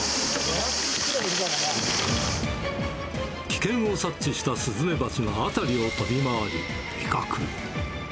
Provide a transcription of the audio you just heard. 危険を察知したスズメバチが辺りを飛び回り、威嚇。